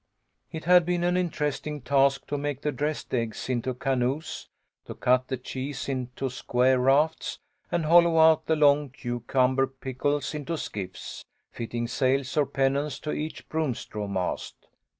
It had been an interesting task to make the dressed eggs into canoes, to cut the cheese into square rafts, and hollow out the long cucumber pickles into skiffs, fitting sails or pennons to each broomstraw mast.